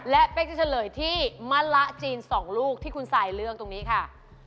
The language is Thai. และเป๊กจะเฉลยที่มะละจีน๒ลูกที่คุณซายเลือกตรงนี้ค่ะ